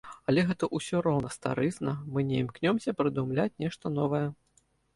Але гэта ўсё роўна старызна, мы не імкнёмся прыдумляць нешта новае.